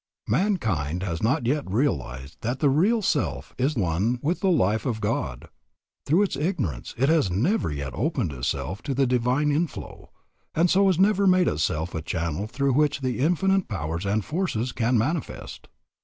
Mankind has not yet realized that the real self is one with the life of God. Through its ignorance it has never yet opened itself to the divine inflow, and so has never made itself a channel through which the infinite powers and forces can manifest.